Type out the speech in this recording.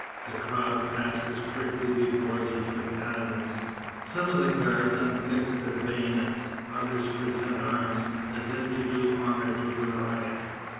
The crowd passes quickly before these battalions. Some of the guards unfix their bayonets; others present arms, as if to do honor to the riot.